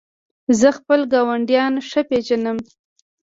زه خپل ګاونډیان ښه پېژنم.